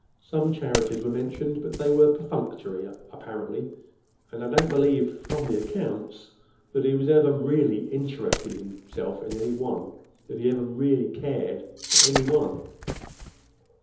Some charities were mentioned, but they were perfunctory, apparently, and I don't believe, from the accounts, that he ever really interested himself in any one—that he ever really cared for—any one."